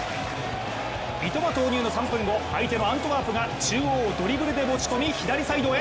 三笘投入の３分後、相手のアントワープが中央をドリブルで持ち込み左サイドへ。